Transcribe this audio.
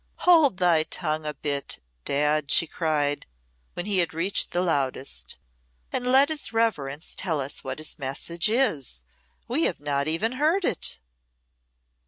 "Hold thy tongue a bit, Dad," she cried, when he had reached his loudest, "and let his reverence tell us what his message is. We have not even heard it."